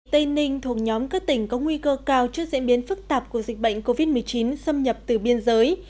tây ninh thuộc nhóm các tỉnh có nguy cơ cao trước diễn biến phức tạp của dịch bệnh covid một mươi chín xâm nhập từ biên giới